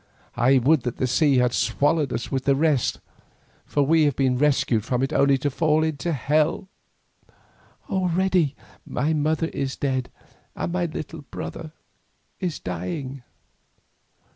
I would that the sea had swallowed us with the rest, for we have been rescued from it only to fall into hell. Already my mother is dead and my little brother is dying."